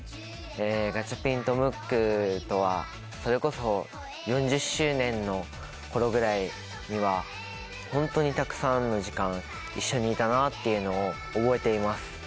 ガチャピンとムックとはそれこそ４０周年のころぐらいには本当にたくさんの時間一緒にいたなというのを覚えています。